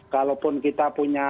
kalaupun kita punya